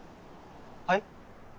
はい？